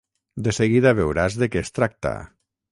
De seguida veuràs de què es tracta.